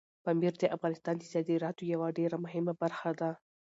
پامیر د افغانستان د صادراتو یوه ډېره مهمه برخه ده.